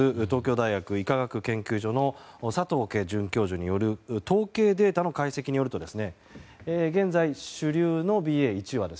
東京大学医科学研究所の佐藤佳准教授による統計データの解析によると